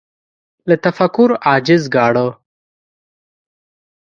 له تفکر عاجز ګاڼه